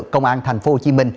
công an tp hcm